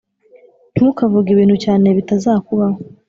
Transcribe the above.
Ntukavuge ibintu cyane bitazakubaho